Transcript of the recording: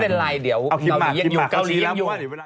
ไม่เป็นไรเดี๋ยวเกาหลียังอยู่